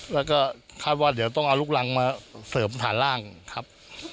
แล้วก็คาดว่าเดี๋ยวต้องเอาลูกรังมาเสริมผ่านร่างครับ